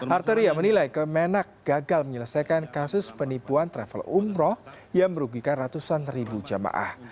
arteria menilai kemenak gagal menyelesaikan kasus penipuan travel umroh yang merugikan ratusan ribu jamaah